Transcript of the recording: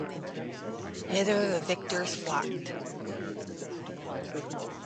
Hither the victors flocked.